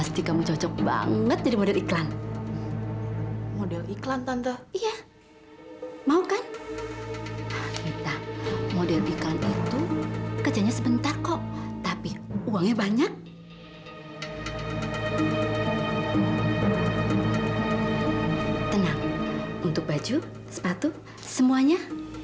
sampai jumpa di video selanjutnya